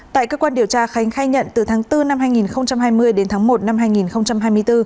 tại cơ quan điều tra khánh khai nhận từ tháng bốn năm hai nghìn hai mươi đến tháng một năm hai nghìn hai mươi bốn